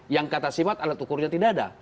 yang kata sifat alat ukurnya tidak ada